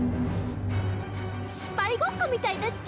スパイごっこみたいだっちゃ。